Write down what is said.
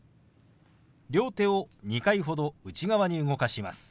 両手を２回ほど内側に動かします。